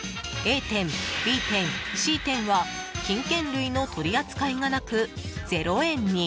Ａ店、Ｂ店、Ｃ店は金券類の取り扱いがなく０円に。